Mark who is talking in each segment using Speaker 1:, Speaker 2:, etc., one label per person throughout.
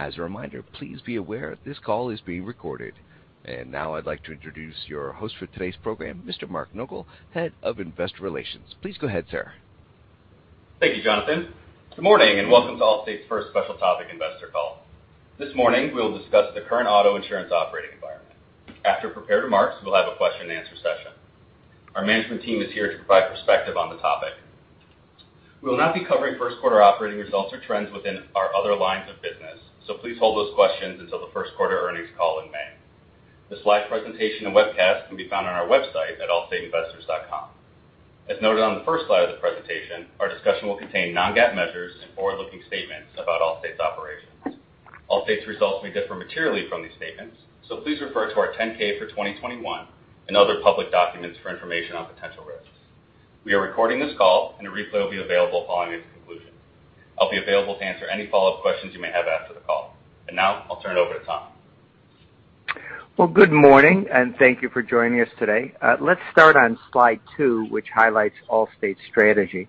Speaker 1: As a reminder, please be aware this call is being recorded. Now I'd like to introduce your host for today's program, Mr. Mark Nogal, Head of Investor Relations. Please go ahead, sir.
Speaker 2: Thank you, Jonathan. Good morning, and welcome to Allstate's first special topic investor call. This morning, we'll discuss the current auto insurance operating environment. After prepared remarks, we'll have a question-and-answer session. Our management team is here to provide perspective on the topic. We will not be covering first quarter operating results or trends within our other lines of business, so please hold those questions until the first quarter earnings call in May. The slide presentation and webcast can be found on our website at allstateinvestors.com. As noted on the first slide of the presentation, our discussion will contain non-GAAP measures and forward-looking statements about Allstate's operations. Allstate's results may differ materially from these statements, so please refer to our 10-K for 2021 and other public documents for information on potential risks. We are recording this call and a replay will be available following its conclusion. I'll be available to answer any follow-up questions you may have after the call. Now I'll turn it over to Tom.
Speaker 3: Well, good morning and thank you for joining us today. Let's start on slide two, which highlights Allstate's strategy.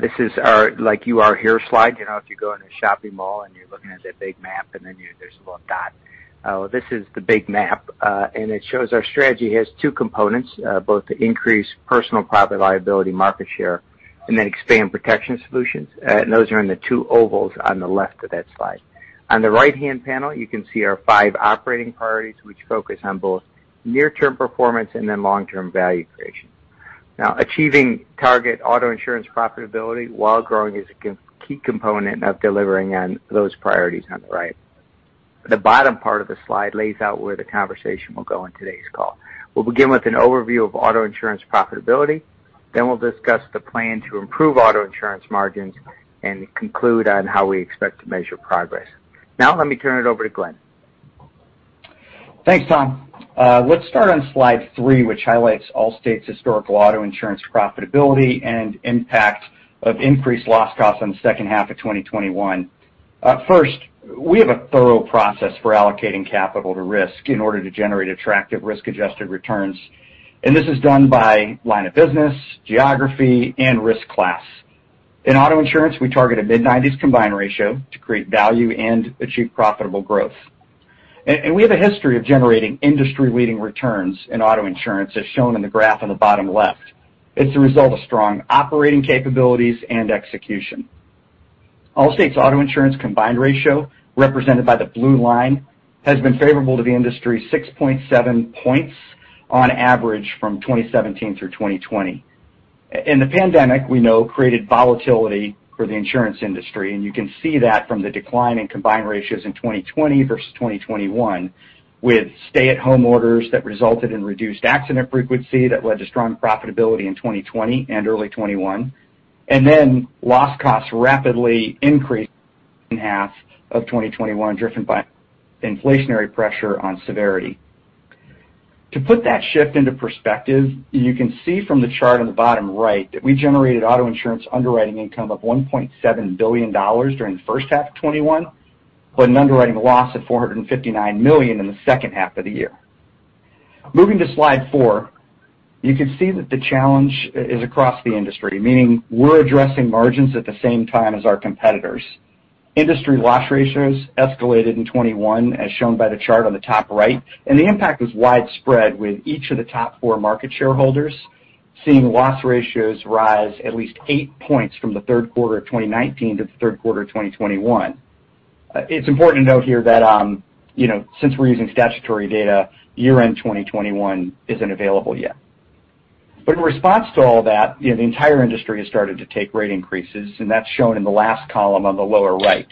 Speaker 3: This is our like you are here slide. You know, if you go in a shopping mall and you're looking at the big map, and then there's a little dot. This is the big map, and it shows our strategy has two components, both to increase personal property-liability market share, and then expand protection solutions. Those are in the two ovals on the left of that slide. On the right-hand panel, you can see our five operating priorities, which focus on both near term performance and then long-term value creation. Achieving target auto insurance profitability while growing is a key component of delivering on those priorities on the right. The bottom part of the slide lays out where the conversation will go in today's call. We'll begin with an overview of auto insurance profitability, then we'll discuss the plan to improve auto insurance margins and conclude on how we expect to measure progress. Now let me turn it over to Glenn.
Speaker 4: Thanks, Tom. Let's start on slide three, which highlights Allstate's historical auto insurance profitability and impact of increased loss costs on the second half of 2021. First, we have a thorough process for allocating capital to risk in order to generate attractive risk-adjusted returns. This is done by line of business, geography, and risk class. In auto insurance, we target a mid-90s combined ratio to create value and achieve profitable growth. We have a history of generating industry-leading returns in auto insurance, as shown in the graph on the bottom left. It's a result of strong operating capabilities and execution. Allstate's auto insurance combined ratio, represented by the blue line, has been favorable to the industry 6.7 points on average from 2017 through 2020. The pandemic, we know, created volatility for the insurance industry, and you can see that from the decline in combined ratios in 2020 versus 2021 with stay-at-home orders that resulted in reduced accident frequency that led to strong profitability in 2020 and early 2021. Then loss costs rapidly increased in the second half of 2021, driven by inflationary pressure on severity. To put that shift into perspective, you can see from the chart on the bottom right that we generated auto insurance underwriting income of $1.7 billion during the first half of 2021, but an underwriting loss of $459 million in the second half of the year. Moving to slide four, you can see that the challenge is across the industry, meaning we're addressing margins at the same time as our competitors. Industry loss ratios escalated in 2021, as shown by the chart on the top right, and the impact was widespread with each of the top four market shareholders seeing loss ratios rise at least 8 points from the third quarter of 2019 to the third quarter of 2021. It's important to note here that, you know, since we're using statutory data, year-end 2021 isn't available yet. In response to all that, you know, the entire industry has started to take rate increases, and that's shown in the last column on the lower right.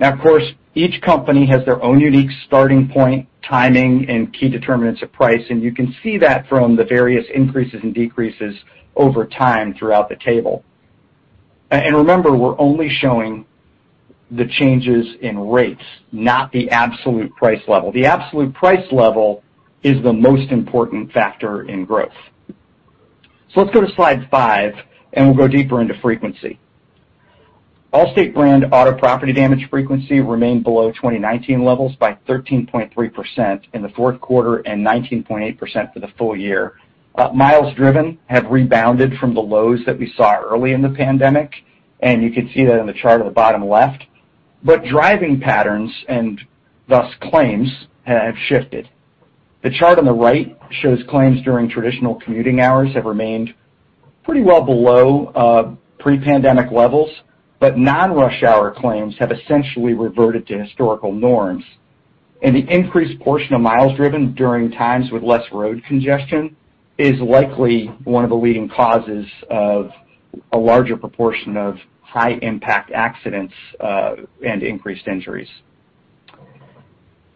Speaker 4: Now, of course, each company has their own unique starting point, timing, and key determinants of price, and you can see that from the various increases and decreases over time throughout the table. Remember, we're only showing the changes in rates, not the absolute price level. The absolute price level is the most important factor in growth. Let's go to slide five, and we'll go deeper into frequency. Allstate brand auto property damage frequency remained below 2019 levels by 13.3% in the fourth quarter and 19.8% for the full year. Miles driven have rebounded from the lows that we saw early in the pandemic, and you can see that in the chart on the bottom left. Driving patterns, and thus claims, have shifted. The chart on the right shows claims during traditional commuting hours have remained pretty well below pre-pandemic levels, but non-rush hour claims have essentially reverted to historical norms. The increased portion of miles driven during times with less road congestion is likely one of the leading causes of a larger proportion of high-impact accidents and increased injuries.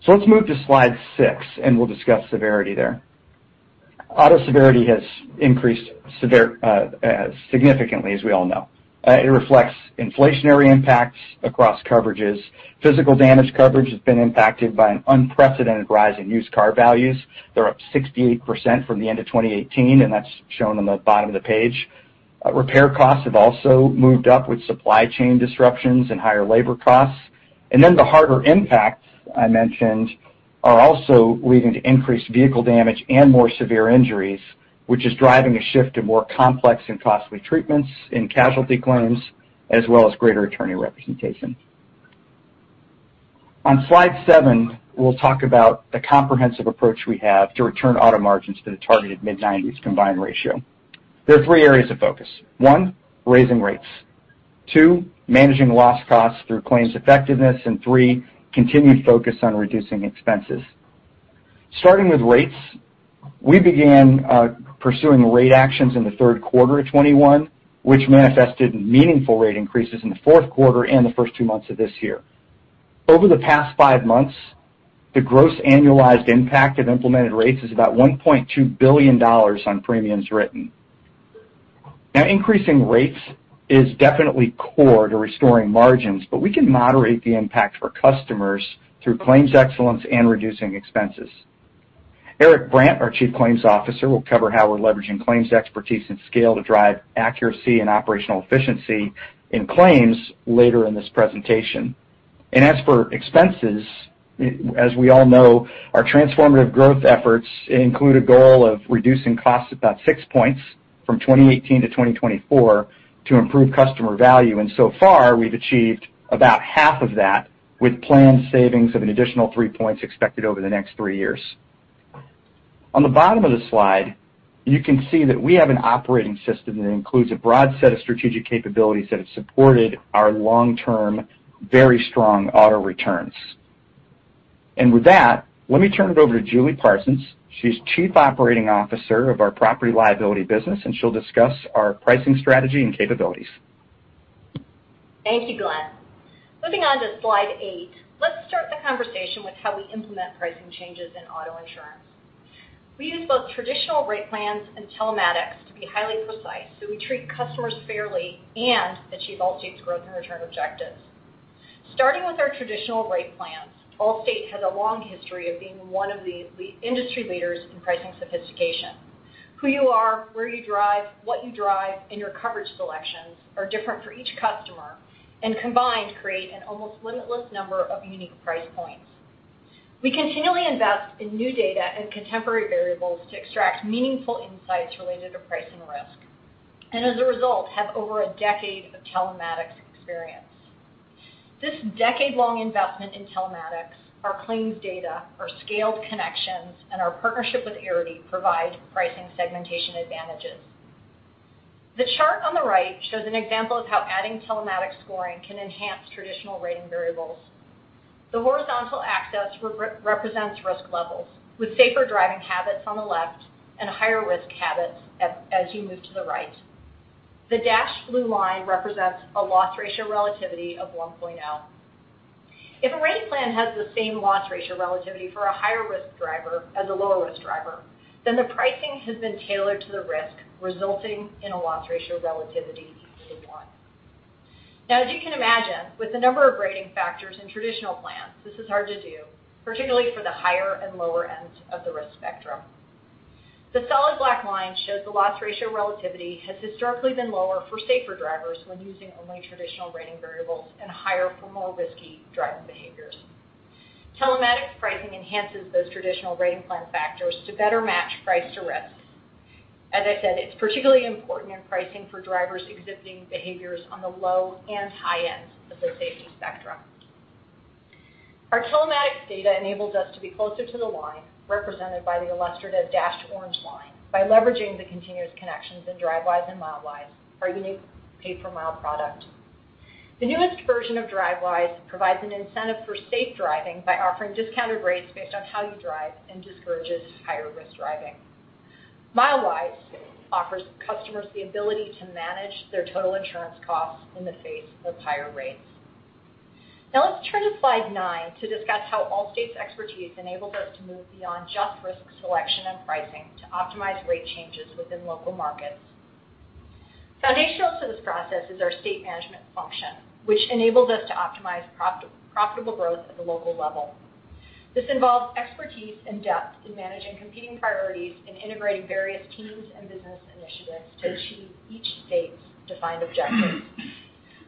Speaker 4: Let's move to slide six, and we'll discuss severity there. Auto severity has increased significantly, as we all know. It reflects inflationary impacts across coverages. Physical damage coverage has been impacted by an unprecedented rise in used car values. They're up 68% from the end of 2018, and that's shown on the bottom of the page. Repair costs have also moved up with supply chain disruptions and higher labor costs. The harder impacts I mentioned are also leading to increased vehicle damage and more severe injuries, which is driving a shift to more complex and costly treatments in casualty claims, as well as greater attorney representation. On slide seven, we'll talk about the comprehensive approach we have to return auto margins to the targeted mid-90s combined ratio. There are three areas of focus. One, raising rates. Two, managing loss costs through claims effectiveness. Three, continued focus on reducing expenses. Starting with rates, we began pursuing rate actions in the third quarter of 2021, which manifested in meaningful rate increases in the fourth quarter and the first two months of this year. Over the past five months, the gross annualized impact of implemented rates is about $1.2 billion on premiums written. Now, increasing rates is definitely core to restoring margins, but we can moderate the impact for customers through claims excellence and reducing expenses. Eric Brandt, our Chief Claims Officer, will cover how we're leveraging claims expertise and scale to drive accuracy and operational efficiency in claims later in this presentation. As for expenses, as we all know, our Transformative Growth efforts include a goal of reducing costs about 6 points from 2018 to 2024 to improve customer value. So far, we've achieved about half of that with planned savings of an additional 3 points expected over the next three years. On the bottom of the slide, you can see that we have an operating system that includes a broad set of strategic capabilities that have supported our long-term, very strong auto returns. With that, let me turn it over to Julie Parsons. She's Chief Operating Officer of our Property-Liability business, and she'll discuss our pricing strategy and capabilities.
Speaker 5: Thank you, Glenn. Moving on to slide eight, let's start the conversation with how we implement pricing changes in auto insurance. We use both traditional rate plans and telematics to be highly precise, so we treat customers fairly and achieve Allstate's growth and return objectives. Starting with our traditional rate plans, Allstate has a long history of being one of the industry leaders in pricing sophistication. Who you are, where you drive, what you drive, and your coverage selections are different for each customer, and combined, create an almost limitless number of unique price points. We continually invest in new data and contemporary variables to extract meaningful insights related to pricing risk, and as a result, have over a decade of telematics experience. This decade-long investment in telematics, our claims data, our scaled connections, and our partnership with Arity provide pricing segmentation advantages. The chart on the right shows an example of how adding telematics scoring can enhance traditional rating variables. The horizontal axis represents risk levels with safer driving habits on the left and higher risk habits as you move to the right. The dashed blue line represents a loss ratio relativity of 1.0. If a rate plan has the same loss ratio relativity for a higher risk driver as a lower risk driver, then the pricing has been tailored to the risk, resulting in a loss ratio relativity of 1. Now, as you can imagine, with the number of rating factors in traditional plans, this is hard to do, particularly for the higher and lower ends of the risk spectrum. The solid black line shows the loss ratio relativity has historically been lower for safer drivers when using only traditional rating variables and higher for more risky driving behaviors. Telematics pricing enhances those traditional rate plan factors to better match price to risk. As I said, it's particularly important in pricing for drivers exhibiting behaviors on the low and high ends of the safety spectrum. Our telematics data enables us to be closer to the line, represented by the illustrative dashed orange line, by leveraging the continuous connections in Drivewise and Milewise, our unique pay-per-mile product. The newest version of Drivewise provides an incentive for safe driving by offering discounted rates based on how you drive and discourages higher risk driving. Milewise offers customers the ability to manage their total insurance costs in the face of higher rates. Now let's turn to slide nine to discuss how Allstate's expertise enables us to move beyond just risk selection and pricing to optimize rate changes within local markets. Foundational to this process is our state management function, which enables us to optimize profitable growth at the local level. This involves expertise and depth in managing competing priorities and integrating various teams and business initiatives to achieve each state's defined objectives.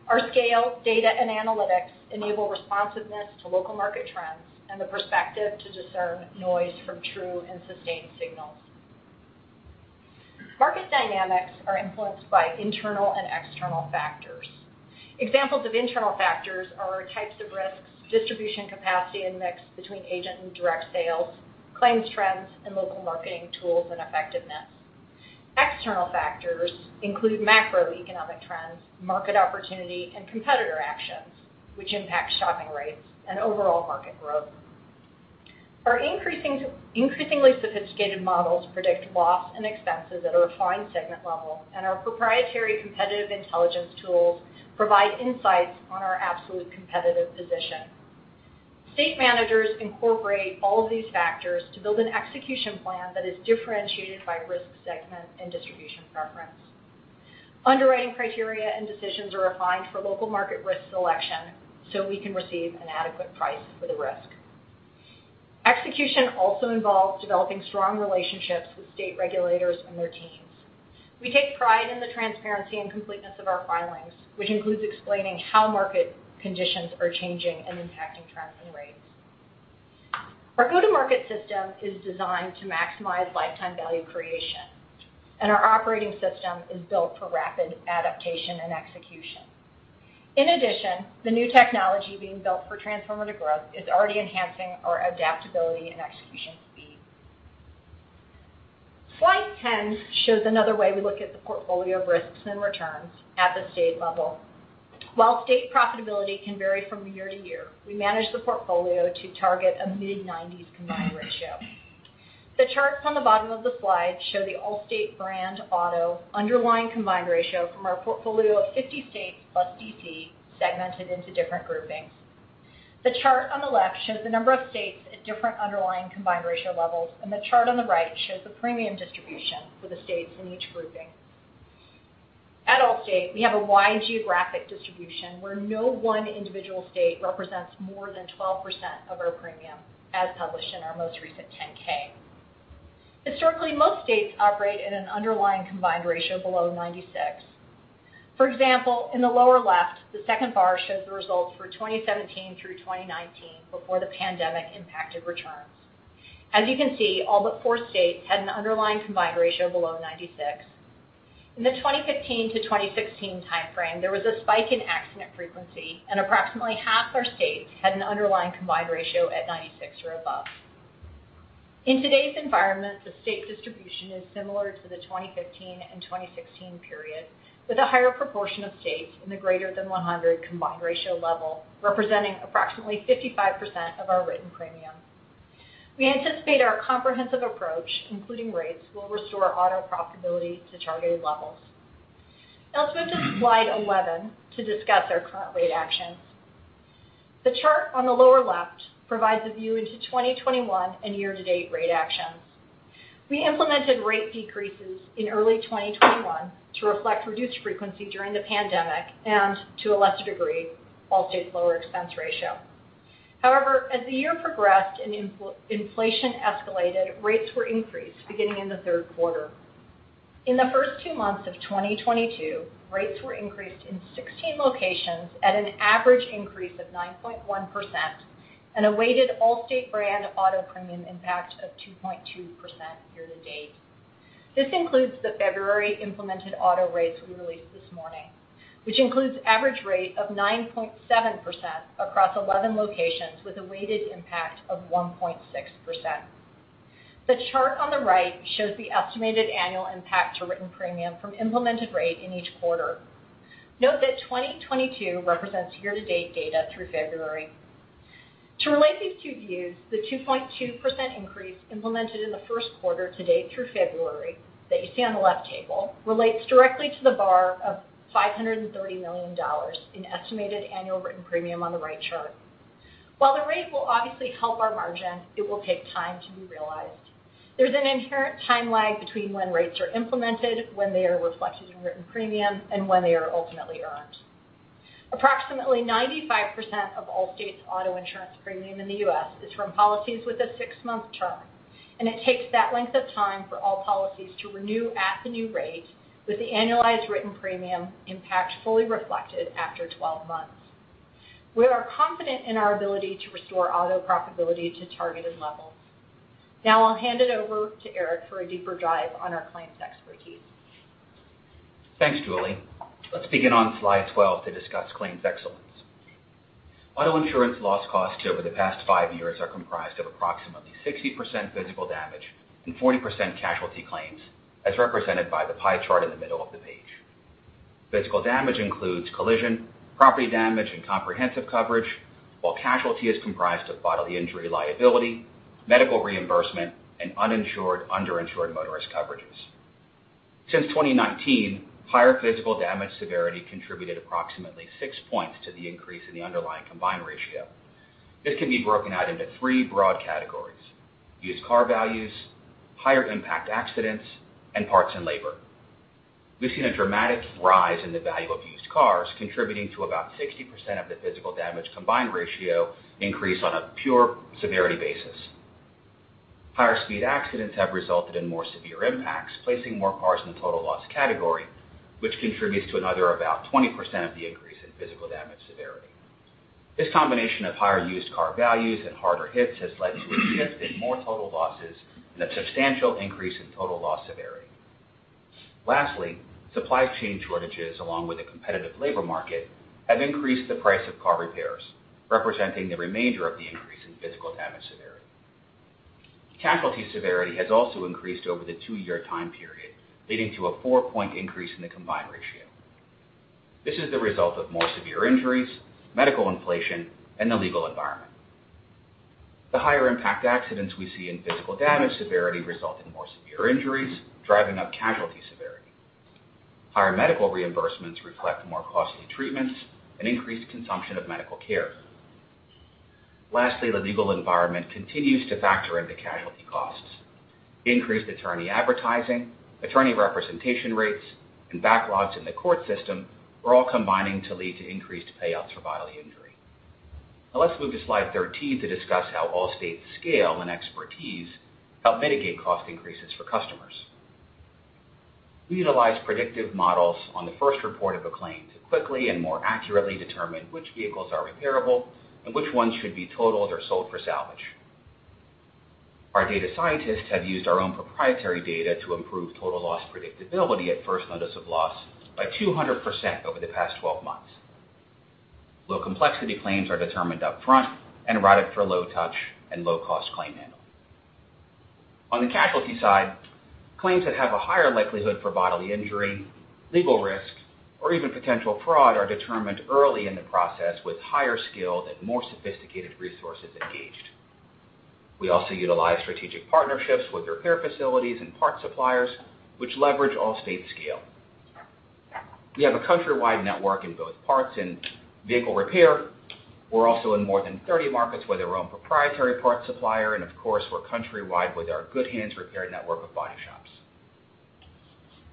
Speaker 5: Our scale, data, and analytics enable responsiveness to local market trends and the perspective to discern noise from true and sustained signals. Market dynamics are influenced by internal and external factors. Examples of internal factors are types of risks, distribution capacity, and mix between agent and direct sales, claims trends, and local marketing tools and effectiveness. External factors include macroeconomic trends, market opportunity, and competitor actions which impact shopping rates and overall market growth. Our increasingly sophisticated models predict loss and expenses at a refined segment level, and our proprietary competitive intelligence tools provide insights on our absolute competitive position. State managers incorporate all of these factors to build an execution plan that is differentiated by risk segment and distribution preference. Underwriting criteria and decisions are refined for local market risk selection so we can receive an adequate price for the risk. Execution also involves developing strong relationships with state regulators and their teams. We take pride in the transparency and completeness of our filings, which includes explaining how market conditions are changing and impacting trends and rates. Our go-to-market system is designed to maximize lifetime value creation, and our operating system is built for rapid adaptation and execution. In addition, the new technology being built for Transformative Growth is already enhancing our adaptability and execution speed. Slide 10 shows another way we look at the portfolio of risks and returns at the state level. While state profitability can vary from year to year, we manage the portfolio to target a mid-90s combined ratio. The charts on the bottom of the slide show the Allstate brand auto underlying combined ratio from our portfolio of 50 states plus D.C. segmented into different groupings. The chart on the left shows the number of states at different underlying combined ratio levels, and the chart on the right shows the premium distribution for the states in each grouping. At Allstate, we have a wide geographic distribution where no one individual state represents more than 12% of our premium, as published in our most recent 10-K. Historically, most states operate at an underlying combined ratio below 96. For example, in the lower left, the second bar shows the results for 2017 through 2019 before the pandemic impacted returns. As you can see, all but four states had an underlying combined ratio below 96. In the 2015 to 2016 time frame, there was a spike in accident frequency, and approximately half our states had an underlying combined ratio at 96 or above. In today's environment, the state distribution is similar to the 2015 and 2016 period, with a higher proportion of states in the greater than 100 combined ratio level, representing approximately 55% of our written premium. We anticipate our comprehensive approach, including rates, will restore auto profitability to targeted levels. Now let's move to slide 11 to discuss our current rate actions. The chart on the lower left provides a view into 2021 and year-to-date rate actions. We implemented rate decreases in early 2021 to reflect reduced frequency during the pandemic and to a lesser degree, Allstate's lower expense ratio. However, as the year progressed and inflation escalated, rates were increased beginning in the third quarter. In the first two months of 2022, rates were increased in 16 locations at an average increase of 9.1% and a weighted Allstate brand auto premium impact of 2.2% year-to-date. This includes the February-implemented auto rates we released this morning, which includes average rate of 9.7% across 11 locations with a weighted impact of 1.6%. The chart on the right shows the estimated annual impact to written premium from implemented rate in each quarter. Note that 2022 represents year-to-date data through February. To relate these two views, the 2.2% increase implemented in the first quarter to date through February that you see on the left table relates directly to the bar of $530 million in estimated annual written premium on the right chart. While the rate will obviously help our margin, it will take time to be realized. There's an inherent time lag between when rates are implemented, when they are reflected in written premium, and when they are ultimately earned. Approximately 95% of Allstate's auto insurance premium in the U.S. is from policies with a six-month term, and it takes that length of time for all policies to renew at the new rate with the annualized written premium impact fully reflected after 12 months. We are confident in our ability to restore auto profitability to targeted levels. Now I'll hand it over to Eric for a deeper dive on our claims expertise.
Speaker 6: Thanks, Julie. Let's begin on slide 12 to discuss claims excellence. Auto insurance loss costs over the past five years are comprised of approximately 60% physical damage and 40% casualty claims, as represented by the pie chart in the middle of the page. Physical damage includes collision, property damage, and comprehensive coverage. While casualty is comprised of bodily injury liability, medical reimbursement, and uninsured/underinsured motorist coverages. Since 2019, higher physical damage severity contributed approximately 6 points to the increase in the underlying combined ratio. This can be broken out into three broad categories, used car values, higher impact accidents, and parts and labor. We've seen a dramatic rise in the value of used cars, contributing to about 60% of the physical damage combined ratio increase on a pure severity basis. Higher speed accidents have resulted in more severe impacts, placing more cars in the total loss category, which contributes to another about 20% of the increase in physical damage severity. This combination of higher used car values and harder hits has led to a shift in more total losses and a substantial increase in total loss severity. Lastly, supply chain shortages, along with a competitive labor market, have increased the price of car repairs, representing the remainder of the increase in physical damage severity. Casualty severity has also increased over the two-year time period, leading to a 4-point increase in the combined ratio. This is the result of more severe injuries, medical inflation, and the legal environment. The higher impact accidents we see in physical damage severity result in more severe injuries, driving up casualty severity. Higher medical reimbursements reflect more costly treatments and increased consumption of medical care. Lastly, the legal environment continues to factor into casualty costs. Increased attorney advertising, attorney representation rates, and backlogs in the court system are all combining to lead to increased payouts for bodily injury. Now let's move to slide 13 to discuss how Allstate's scale and expertise help mitigate cost increases for customers. We utilize predictive models on the first report of a claim to quickly and more accurately determine which vehicles are repairable and which ones should be totaled or sold for salvage. Our data scientists have used our own proprietary data to improve total loss predictability at first notice of loss by 200% over the past 12 months. Low complexity claims are determined up front and routed for low touch and low cost claim handling. On the casualty side, claims that have a higher likelihood for bodily injury, legal risk, or even potential fraud are determined early in the process with higher skilled and more sophisticated resources engaged. We also utilize strategic partnerships with repair facilities and parts suppliers, which leverage Allstate's scale. We have a countrywide network in both parts and vehicle repair. We're also in more than 30 markets with our own proprietary parts supplier. Of course, we're countrywide with our Good Hands Repair Network of body shops.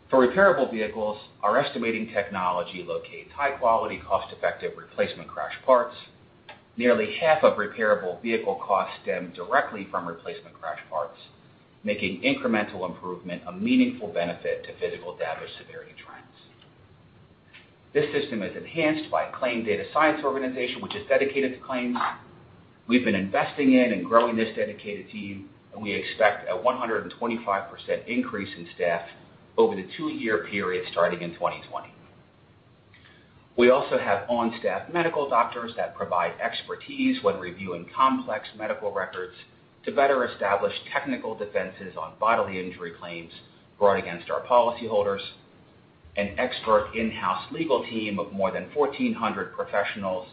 Speaker 6: For repairable vehicles, our estimating technology locates high quality, cost-effective replacement crash parts. Nearly half of repairable vehicle costs stem directly from replacement crash parts, making incremental improvement a meaningful benefit to physical damage severity trends. This system is enhanced by a claim data science organization, which is dedicated to claims. We've been investing in and growing this dedicated team, and we expect a 125% increase in staff over the two-year period starting in 2020. We also have on-staff medical doctors that provide expertise when reviewing complex medical records to better establish technical defenses on bodily injury claims brought against our policyholders. An expert in-house legal team of more than 1,400 professionals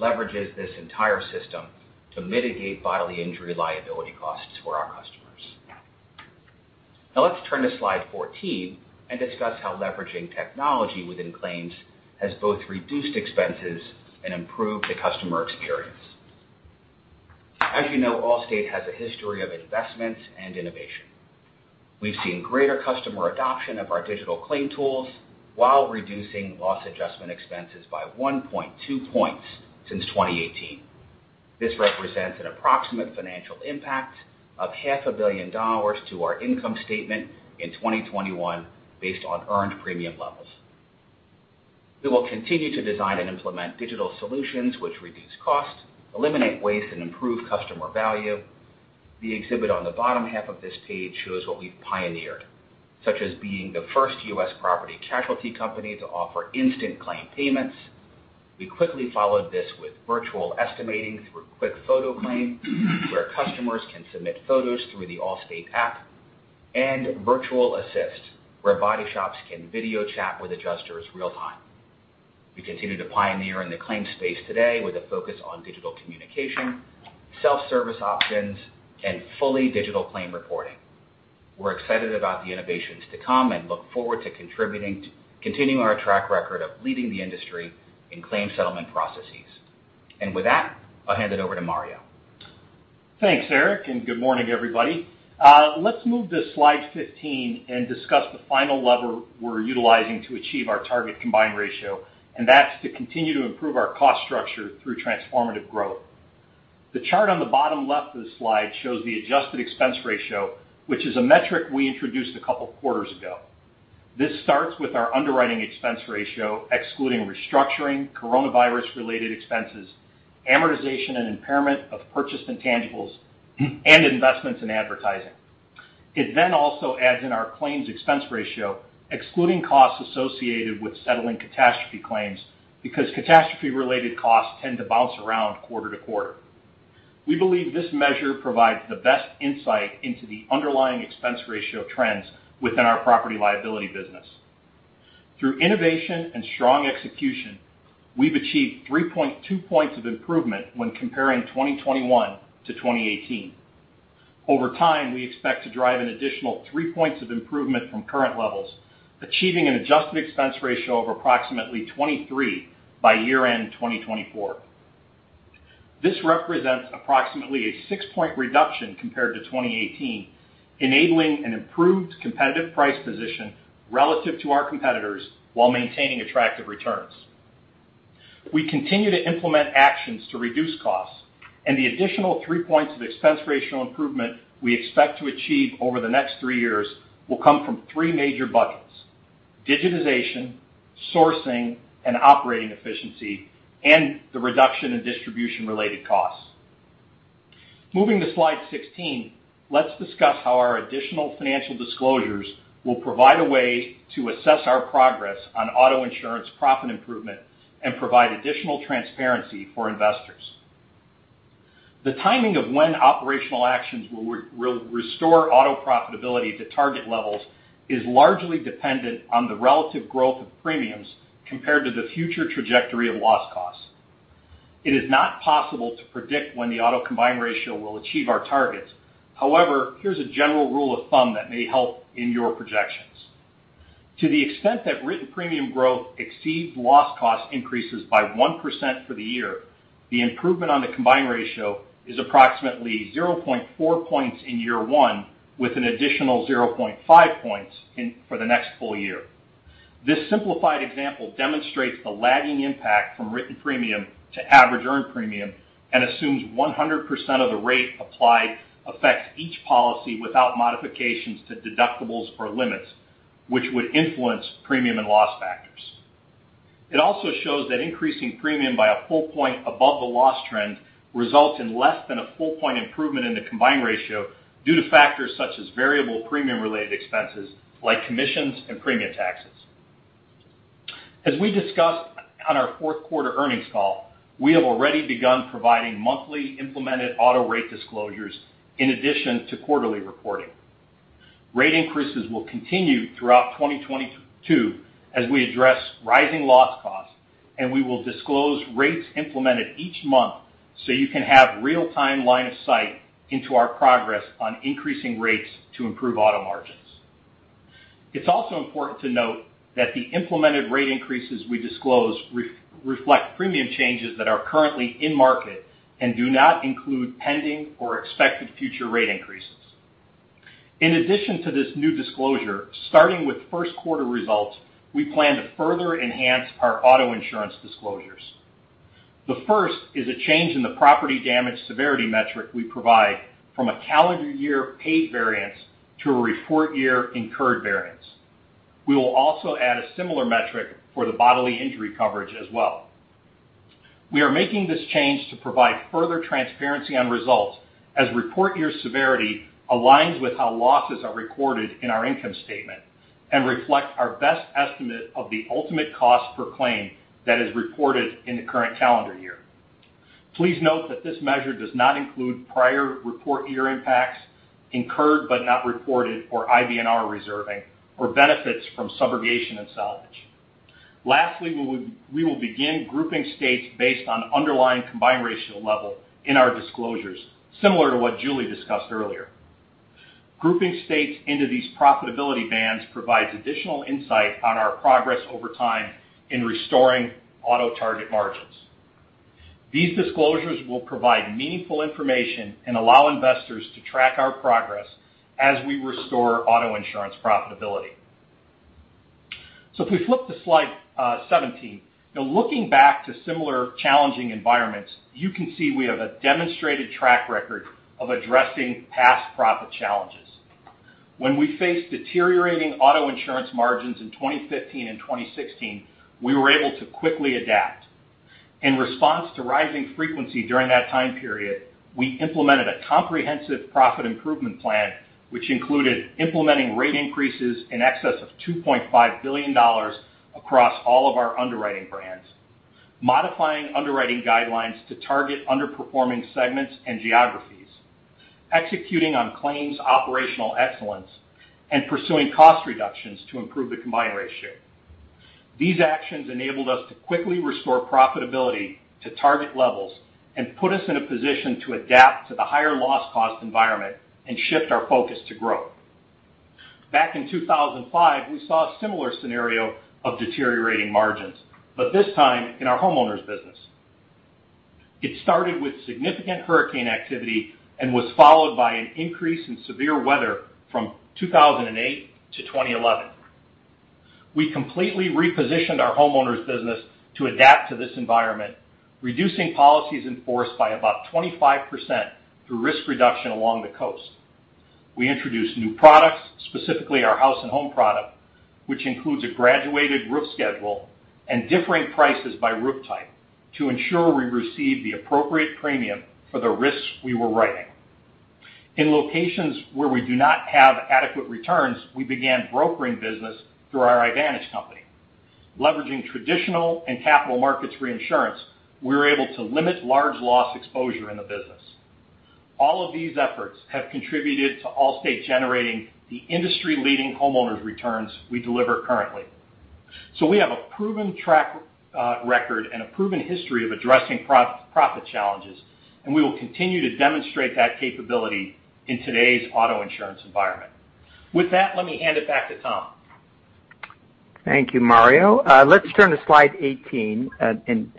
Speaker 6: leverages this entire system to mitigate bodily injury liability costs for our customers. Now let's turn to slide 14 and discuss how leveraging technology within claims has both reduced expenses and improved the customer experience. As you know, Allstate has a history of investments and innovation. We've seen greater customer adoption of our digital claim tools while reducing loss adjustment expenses by 1.2 points since 2018. This represents an approximate financial impact of half a billion dollars to our income statement in 2021 based on earned premium levels. We will continue to design and implement digital solutions which reduce costs, eliminate waste, and improve customer value. The exhibit on the bottom half of this page shows what we've pioneered, such as being the first U.S. property casualty company to offer instant claim payments. We quickly followed this with virtual estimating through QuickFoto Claim, where customers can submit photos through the Allstate app, and Virtual Assist, where body shops can video chat with adjusters real-time. We continue to pioneer in the claims space today with a focus on digital communication, self-service options, and fully digital claim reporting. We're excited about the innovations to come and look forward to continuing our track record of leading the industry in claim settlement processes. With that, I'll hand it over to Mario.
Speaker 7: Thanks, Eric, and good morning, everybody. Let's move to slide 15 and discuss the final lever we're utilizing to achieve our target combined ratio, and that's to continue to improve our cost structure through Transformative Growth. The chart on the bottom left of the slide shows the adjusted expense ratio, which is a metric we introduced a couple quarters ago. This starts with our underwriting expense ratio, excluding restructuring, coronavirus-related expenses, amortization and impairment of purchased intangibles, and investments in advertising. It then also adds in our claims expense ratio, excluding costs associated with settling catastrophe claims, because catastrophe-related costs tend to bounce around quarter to quarter. We believe this measure provides the best insight into the underlying expense ratio trends within our property-liability business. Through innovation and strong execution, we've achieved 3.2 points of improvement when comparing 2021 to 2018. Over time, we expect to drive an additional three points of improvement from current levels, achieving an adjusted expense ratio of approximately 23 by year-end 2024. This represents approximately a 6-point reduction compared to 2018, enabling an improved competitive price position relative to our competitors while maintaining attractive returns. We continue to implement actions to reduce costs, and the additional three points of expense ratio improvement we expect to achieve over the next three years will come from three major buckets: digitization, sourcing, and operating efficiency, and the reduction in distribution-related costs. Moving to slide 16, let's discuss how our additional financial disclosures will provide a way to assess our progress on auto insurance profit improvement and provide additional transparency for investors. The timing of when operational actions will restore auto profitability to target levels is largely dependent on the relative growth of premiums compared to the future trajectory of loss costs. It is not possible to predict when the auto combined ratio will achieve our targets. However, here's a general rule of thumb that may help in your projections. To the extent that written premium growth exceeds loss cost increases by 1% for the year, the improvement on the combined ratio is approximately 0.4 points in year one with an additional 0.5 points in for the next full year. This simplified example demonstrates the lagging impact from written premium to average earned premium and assumes 100% of the rate applied affects each policy without modifications to deductibles or limits, which would influence premium and loss factors. It also shows that increasing premium by a full point above the loss trend results in less than a full point improvement in the combined ratio due to factors such as variable premium related expenses like commissions and premium taxes. As we discussed on our fourth quarter earnings call, we have already begun providing monthly implemented auto rate disclosures in addition to quarterly reporting. Rate increases will continue throughout 2022 as we address rising loss costs, and we will disclose rates implemented each month so you can have real-time line of sight into our progress on increasing rates to improve auto margins. It's also important to note that the implemented rate increases we disclose reflect premium changes that are currently in market and do not include pending or expected future rate increases. In addition to this new disclosure, starting with first quarter results, we plan to further enhance our auto insurance disclosures. The first is a change in the property damage severity metric we provide from a calendar year paid variance to a report year incurred variance. We will also add a similar metric for the bodily injury coverage as well. We are making this change to provide further transparency on results as report year severity aligns with how losses are recorded in our income statement and reflects our best estimate of the ultimate cost per claim that is reported in the current calendar year. Please note that this measure does not include prior report year impacts, incurred but not reported or IBNR reserving, or benefits from subrogation and salvage. Lastly, we will begin grouping states based on underlying combined ratio level in our disclosures, similar to what Julie discussed earlier. Grouping states into these profitability bands provides additional insight on our progress over time in restoring auto target margins. These disclosures will provide meaningful information and allow investors to track our progress as we restore auto insurance profitability. If we flip to Slide 17, now looking back to similar challenging environments, you can see we have a demonstrated track record of addressing past profit challenges. When we faced deteriorating auto insurance margins in 2015 and 2016, we were able to quickly adapt. In response to rising frequency during that time period, we implemented a comprehensive profit improvement plan, which included implementing rate increases in excess of $2.5 billion across all of our underwriting brands, modifying underwriting guidelines to target underperforming segments and geographies, executing on claims operational excellence, and pursuing cost reductions to improve the combined ratio. These actions enabled us to quickly restore profitability to target levels and put us in a position to adapt to the higher loss cost environment and shift our focus to growth. Back in 2005, we saw a similar scenario of deteriorating margins, but this time in our homeowners business. It started with significant hurricane activity and was followed by an increase in severe weather from 2008 to 2011. We completely repositioned our homeowners business to adapt to this environment, reducing policies enforced by about 25% through risk reduction along the coast. We introduced new products, specifically our House & Home product, which includes a graduated roof schedule and differing prices by roof type to ensure we receive the appropriate premium for the risks we were writing. In locations where we do not have adequate returns, we began brokering business through our Ivantage company. Leveraging traditional and capital markets reinsurance, we were able to limit large loss exposure in the business. All of these efforts have contributed to Allstate generating the industry-leading homeowners returns we deliver currently. We have a proven track record and a proven history of addressing profitability challenges, and we will continue to demonstrate that capability in today's auto insurance environment. With that, let me hand it back to Tom.
Speaker 3: Thank you, Mario. Let's turn to slide 18, and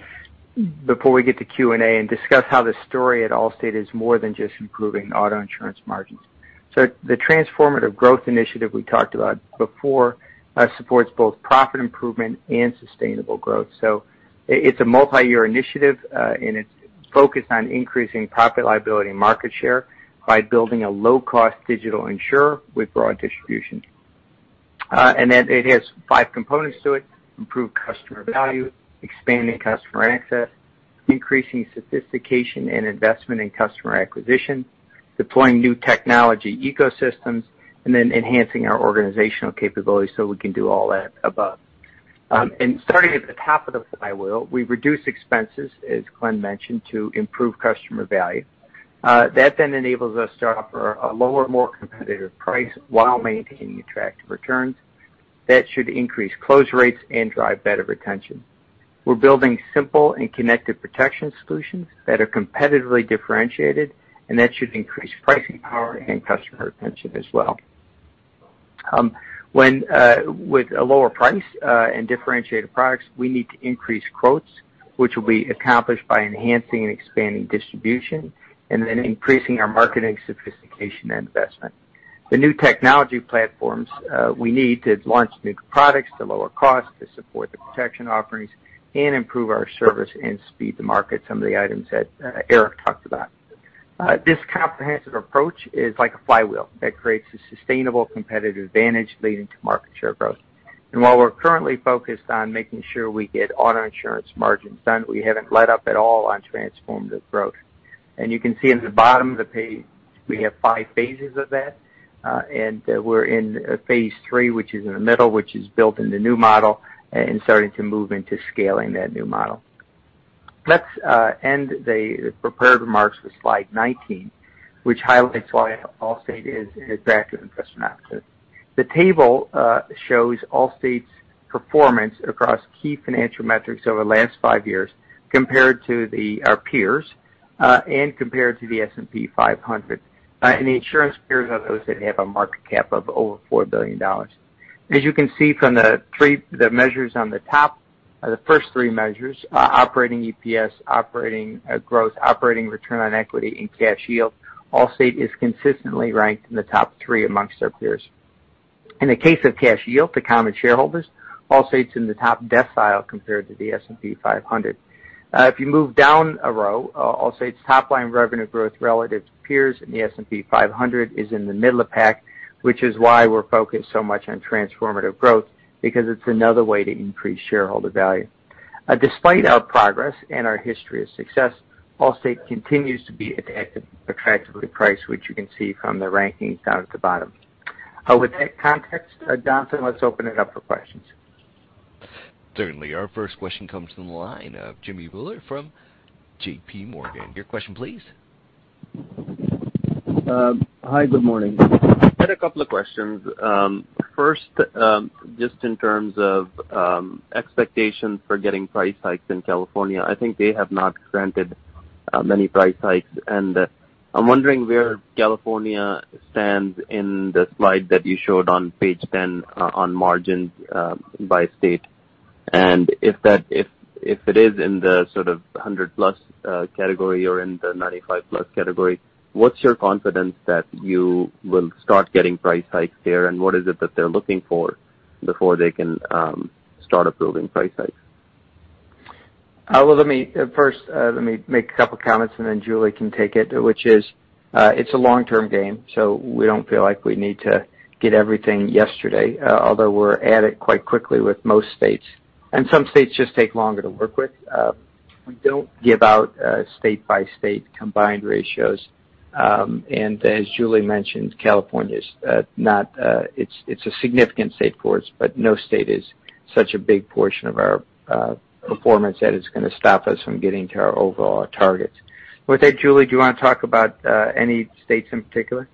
Speaker 3: before we get to Q&A, and discuss how the story at Allstate is more than just improving auto insurance margins. The Transformative Growth initiative we talked about before supports both profit improvement and sustainable growth. It's a multiyear initiative, and it's focused on increasing property-liability and market share by building a low-cost digital insurer with broad distribution. It has five components to it: improve customer value, expanding customer access, increasing sophistication and investment in customer acquisition, deploying new technology ecosystems, and then enhancing our organizational capabilities so we can do all that above. Starting at the top of the flywheel, we reduce expenses, as Glenn mentioned, to improve customer value. That then enables us to offer a lower, more competitive price while maintaining attractive returns. That should increase close rates and drive better retention. We're building simple and connected protection solutions that are competitively differentiated, and that should increase pricing power and customer retention as well. When with a lower price and differentiated products, we need to increase quotes. Which will be accomplished by enhancing and expanding distribution and then increasing our marketing sophistication and investment. The new technology platforms, we need to launch new products to lower cost to support the protection offerings and improve our service and speed to market some of the items that, Eric talked about. This comprehensive approach is like a flywheel that creates a sustainable competitive advantage leading to market share growth. While we're currently focused on making sure we get auto insurance margins done, we haven't let up at all on Transformative Growth. You can see in the bottom of the page, we have five phases of that, and we're in phase III, which is in the middle, which is built in the new model and starting to move into scaling that new model. Let's end the prepared remarks with slide 19, which highlights why Allstate is a better investment option. The table shows Allstate's performance across key financial metrics over the last five years compared to our peers, and compared to the S&P 500. The insurance peers are those that have a market cap of over $4 billion. As you can see from the measures on the top, the first three measures, operating EPS, operating growth, operating return on equity and cash yield, Allstate is consistently ranked in the top three amongst our peers. In the case of cash yield to common shareholders, Allstate's in the top decile compared to the S&P 500. If you move down a row, Allstate's top line revenue growth relative to peers in the S&P 500 is in the middle of the pack, which is why we're focused so much on Transformative Growth because it's another way to increase shareholder value. Despite our progress and our history of success, Allstate continues to be attractively priced, which you can see from the rankings down at the bottom. With that context, Jonathan, let's open it up for questions.
Speaker 1: Certainly. Our first question comes from the line of Jimmy Bhullar from J.P. Morgan. Your question, please.
Speaker 8: Hi, good morning. I had a couple of questions. First, just in terms of expectations for getting price hikes in California, I think they have not granted many price hikes, and I'm wondering where California stands in the slide that you showed on page 10 on margins by state. If it is in the sort of 100%+ category or in the 95%+ category, what's your confidence that you will start getting price hikes there? What is it that they're looking for before they can start approving price hikes?
Speaker 3: First, let me make a couple of comments, and then Julie can take it, which is, it's a long-term game, so we don't feel like we need to get everything yesterday, although we're at it quite quickly with most states, and some states just take longer to work with. We don't give out state-by-state combined ratios. And as Julie mentioned, California is not. It's a significant state for us, but no state is such a big portion of our performance that it's gonna stop us from getting to our overall targets. With that, Julie, do you want to talk about any states in particular?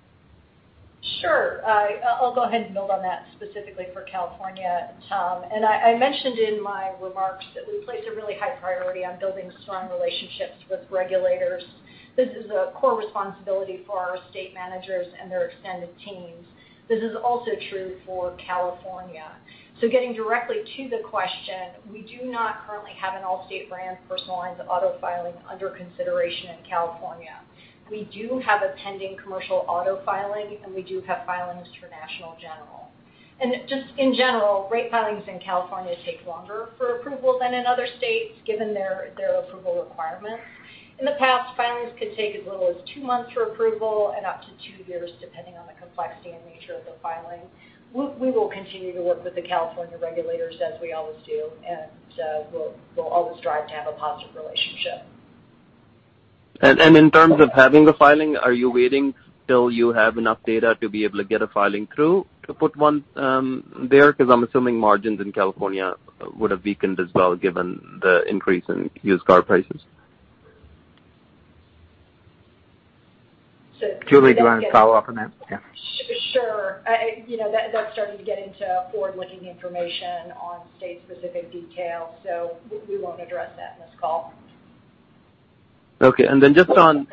Speaker 5: Sure. I'll go ahead and build on that specifically for California. I mentioned in my remarks that we place a really high priority on building strong relationships with regulators. This is a core responsibility for our state managers and their extended teams. This is also true for California. Getting directly to the question, we do not currently have an Allstate brand personal lines of auto filing under consideration in California. We do have a pending commercial auto filing, and we do have filings for National General. Just in general, rate filings in California take longer for approval than in other states, given their approval requirements. In the past, filings could take as little as two months for approval and up to two years, depending on the complexity and nature of the filing. We will continue to work with the California regulators as we always do, and we'll always strive to have a positive relationship.
Speaker 8: In terms of having the filing, are you waiting till you have enough data to be able to get a filing through to put one there? Because I'm assuming margins in California would have weakened as well given the increase in used car prices.
Speaker 3: Julie, do you want to follow up on that? Yeah.
Speaker 5: Sure. You know, that's starting to get into forward-looking information on state-specific details, so we won't address that in this call.
Speaker 8: Okay. Just on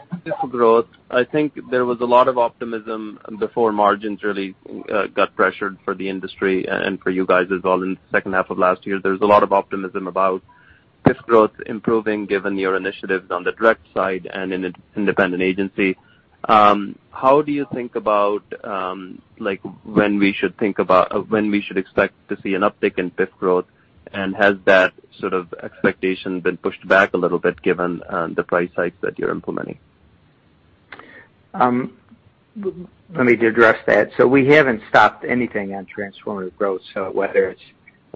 Speaker 8: growth, I think there was a lot of optimism before margins really got pressured for the industry and for you guys as well in the second half of last year. There's a lot of optimism about this growth improving given your initiatives on the direct side and in an independent agency. How do you think about like when we should expect to see an uptick in PIF growth? Has that sort of expectation been pushed back a little bit given the price hikes that you're implementing?
Speaker 3: Let me address that. We haven't stopped anything on Transformative Growth. Whether it's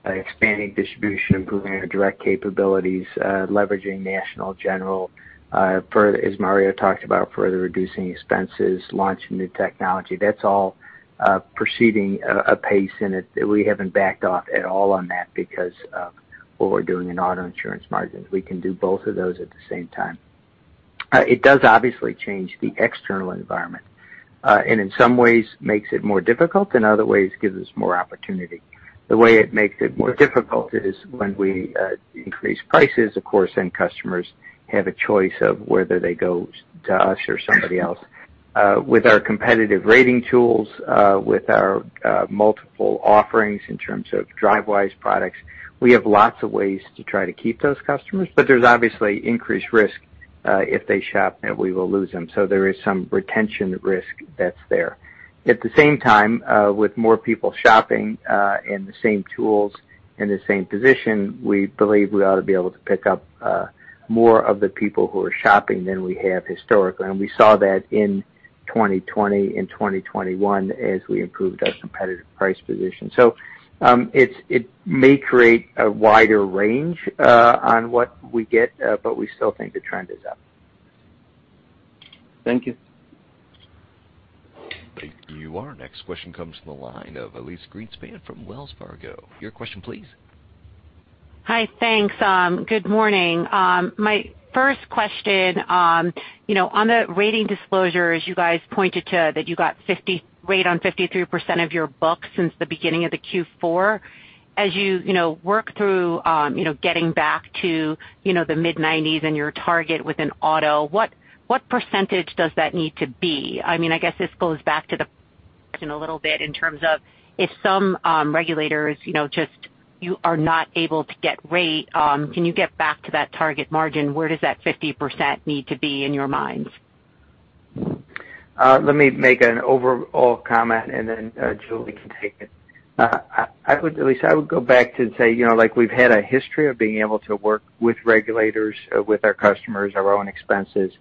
Speaker 3: expanding distribution, improving our direct capabilities, leveraging National General, as Mario talked about, further reducing expenses, launching new technology, that's all proceeding apace, and we haven't backed off at all on that because of what we're doing in auto insurance margins. We can do both of those at the same time. It does obviously change the external environment, and in some ways makes it more difficult, in other ways, gives us more opportunity. The way it makes it more difficult is when we increase prices, of course, then customers have a choice of whether they go to us or somebody else. With our competitive rating tools, with our multiple offerings in terms of Drivewise products, we have lots of ways to try to keep those customers, but there's obviously increased risk if they shop and we will lose them. There is some retention risk that's there. At the same time, with more people shopping and the same tools in the same position, we believe we ought to be able to pick up more of the people who are shopping than we have historically. We saw that in 2020 and 2021 as we improved our competitive price position. It may create a wider range on what we get, but we still think the trend is up.
Speaker 8: Thank you.
Speaker 1: Thank you. Our next question comes from the line of Elyse Greenspan from Wells Fargo. Your question, please.
Speaker 9: Good morning. My first question, you know, on the rating disclosures, you guys pointed to that you got 5% rate on 53% of your book since the beginning of the Q4. As you know, work through, you know, getting back to, you know, the mid-nineties and your target within auto, what percentage does that need to be? I mean, I guess this goes back to the question a little bit in terms of if some regulators, you know, just you're not able to get rate, can you get back to that target margin? Where does that 50% need to be in your minds?
Speaker 3: Let me make an overall comment, and then Julie can take it. Elyse, I would go back to say, you know, like we've had a history of being able to work with regulators, with our customers, our own expenses,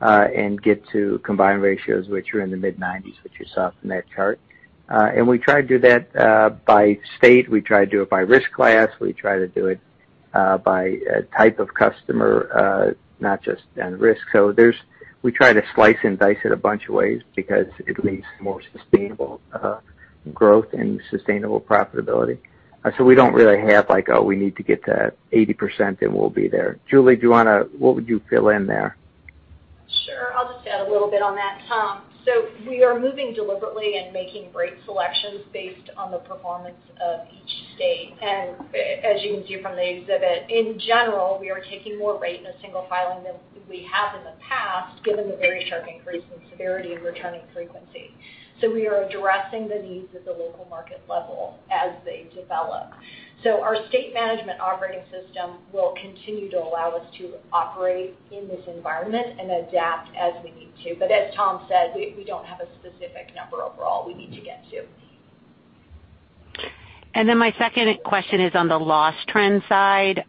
Speaker 3: and get to combined ratios, which are in the mid-90s, which you saw from that chart. We try to do that by state. We try to do it by risk class. We try to do it by type of customer, not just on risk. We try to slice and dice it a bunch of ways because it leaves more sustainable growth and sustainable profitability. We don't really have like, oh, we need to get to 80% and we'll be there. Julie, do you wanna... What would you fill in there?
Speaker 5: Sure. I'll just add a little bit on that, Tom. We are moving deliberately and making great selections based on the performance of each state. As you can see from the exhibit, in general, we are taking more rate in a single filing than we have in the past, given the very sharp increase in severity and returning frequency. We are addressing the needs at the local market level as they develop. Our state management operating system will continue to allow us to operate in this environment and adapt as we need to. As Tom said, we don't have a specific number overall we need to get to.
Speaker 9: My second question is on the loss trend side.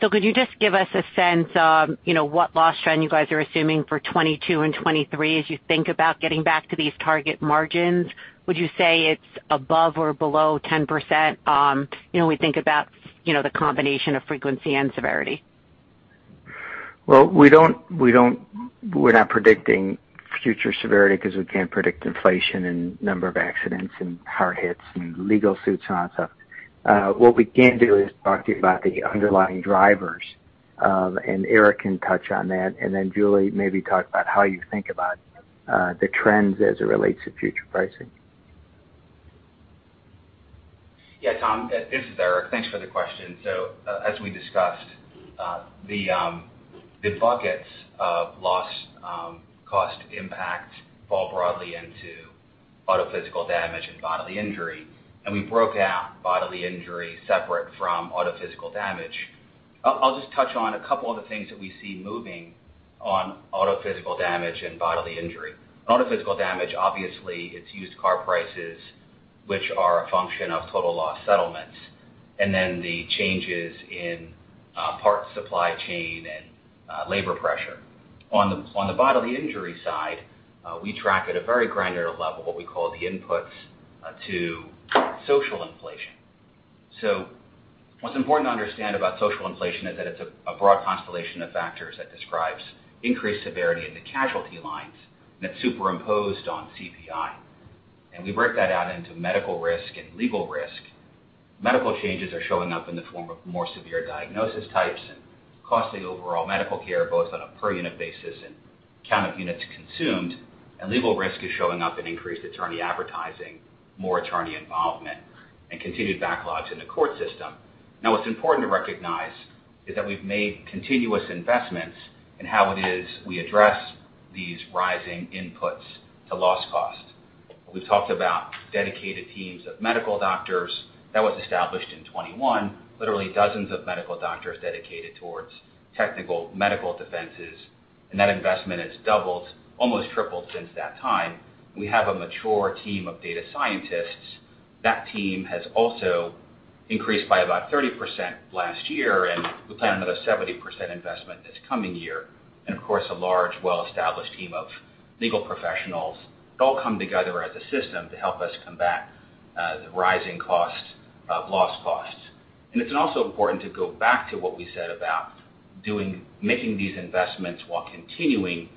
Speaker 9: Could you just give us a sense, you know, what loss trend you guys are assuming for 2022 and 2023 as you think about getting back to these target margins? Would you say it's above or below 10%, you know, when we think about, you know, the combination of frequency and severity?
Speaker 3: Well, we don't predict future severity 'cause we can't predict inflation and number of accidents and hard hits and legal suits and all that stuff. What we can do is talk to you about the underlying drivers, and Eric can touch on that, and then Julie maybe talk about how you think about the trends as it relates to future pricing.
Speaker 6: Yeah, Tom, this is Eric. Thanks for the question. As we discussed, the buckets of loss cost impact fall broadly into auto physical damage and bodily injury, and we broke out bodily injury separate from auto physical damage. I'll just touch on a couple of the things that we see moving on auto physical damage and bodily injury. Auto physical damage, obviously, it's used car prices, which are a function of total loss settlements, and then the changes in parts supply chain and labor pressure. On the bodily injury side, we track at a very granular level what we call the inputs to social inflation. What's important to understand about social inflation is that it's a broad constellation of factors that describes increased severity in the casualty lines that's superimposed on CPI. We break that out into medical risk and legal risk. Medical changes are showing up in the form of more severe diagnosis types and cost of the overall medical care, both on a per unit basis and count of units consumed. Legal risk is showing up in increased attorney advertising, more attorney involvement, and continued backlogs in the court system. Now, what's important to recognize is that we've made continuous investments in how it is we address these rising inputs to loss cost. We've talked about dedicated teams of medical doctors. That was established in 2021. Literally dozens of medical doctors dedicated towards technical medical defenses, and that investment has doubled, almost tripled since that time. We have a mature team of data scientists. That team has also increased by about 30% last year, and we plan another 70% investment this coming year. Of course, a large, well-established team of legal professionals all come together as a system to help us combat the rising cost of loss costs. It's also important to go back to what we said about making these investments while continuing